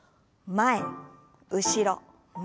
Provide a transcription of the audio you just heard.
前後ろ前。